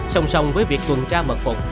song song với việc tuần tra bật phục